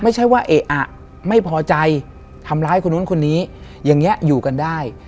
ไม่ใช่ว่าเอ๊ะอ่ะไม่พอใจทำร้ายคนนู้นคนนี้อย่างนี้อยู่กันได้